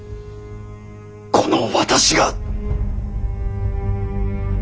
この私が。